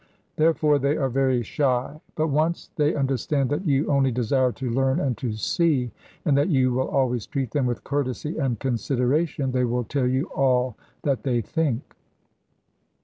Therefore they are very shy. But once they understand that you only desire to learn and to see, and that you will always treat them with courtesy and consideration, they will tell you all that they think.